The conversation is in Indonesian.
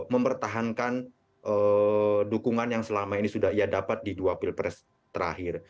mempertahankan dukungan yang selama ini sudah ia dapat di dua pilpres terakhir